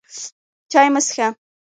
چای مه څښه!